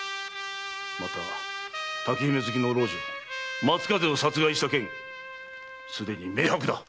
また竹姫付きの老女・松風を殺害した件すでに明白だ！